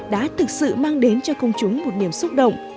đã thực sự mang đến cho công chúng một niềm xúc động